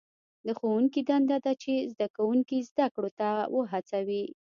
د ښوونکي دنده ده چې زده کوونکي زده کړو ته هڅوي.